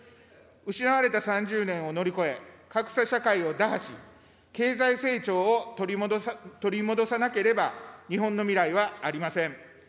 失われた３０年を乗り越え、格差社会を打破し、経済成長を取り戻さなければ、日本の未来はありません。